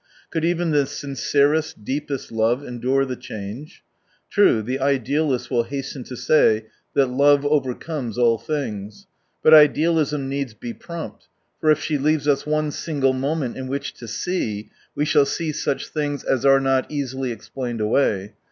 Could even the sincerest, deepest love endure the change ? True, the idealists will hasten to say that love overcomes all things. But idealism needs be prompt, for if she leaves us one single moment in which to see, we shall see such things as are not easily explained away.